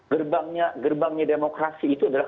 gerbangnya demokrasi itu adalah